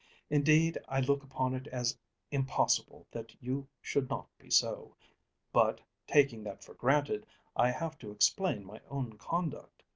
Indeed I look upon it as impossible that you should not be so. But, taking that for granted, I have to explain my own conduct.